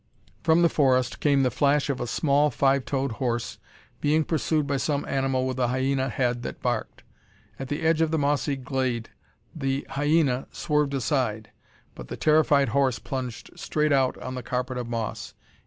From the forest came the flash of a small, five toed horse being pursued by some animal with a hyena head that barked. At the edge of the mossy glade the hyena swerved aside, but the terrified horse plunged straight out on the carpet of moss.